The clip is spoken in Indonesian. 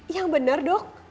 yang bener dok